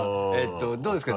どうですか？